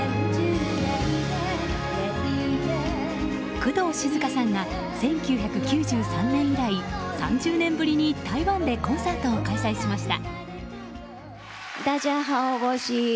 工藤静香さんが１９９３年以来３０年ぶりに台湾でコンサートを開催しました。